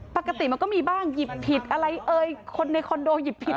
ปกติมันก็มีบ้างหยิบผิดอะไรเอ่ยคนในคอนโดยิบผิด